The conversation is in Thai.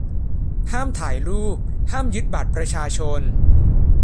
ห้ามถ่ายรูป ห้ามยึดบัตรประชาชน